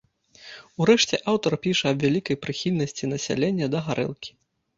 Урэшце, аўтар піша аб вялікай прыхільнасці насялення да гарэлкі.